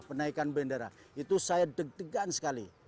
penaikan bendera itu saya deg degan sekali